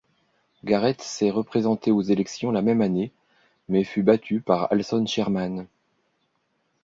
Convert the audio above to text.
Garrett s'est représenté aux élections la même année, mais fut battu par Alson Sherman.